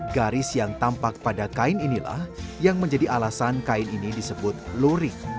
garis yang tampak pada kain inilah yang menjadi alasan kain ini disebut lurik